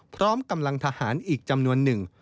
พร้อมกำลังทหารอีกจำนวนหนึ่ง